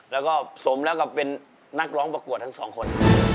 แล้วก็สมแล้วกับเป็นนักร้องประกวดทั้งสองคน